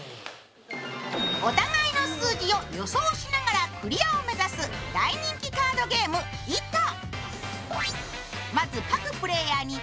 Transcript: お互いの数字を予想しながらクリアを目指す大人気カードゲーム「ｉｔｏ」。